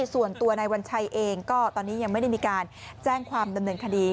ส่วนตัวนายวัญชัยเองก็ตอนนี้ยังไม่ได้มีการแจ้งความดำเนินคดี